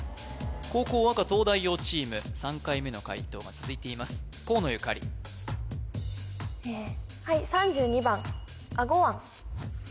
後攻赤東大王チーム３回目の解答が続いています河野ゆかりえっ？